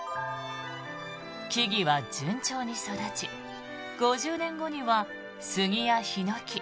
木々は順調に育ち５０年後には杉やヒノキ